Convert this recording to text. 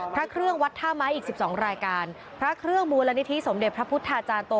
พระเครื่องวัดท่าไม้อีกสิบสองรายการพระเครื่องมูลนิธิสมเด็จพระพุทธาจารย์โต